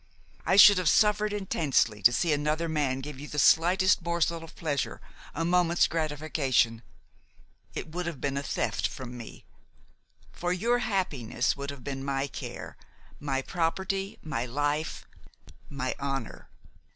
I should have suffered intensely to see another man give you the slightest morsel of pleasure, a moment's gratification; it would have been a theft from me; for your happiness would have been my care, my property, my life, my honor!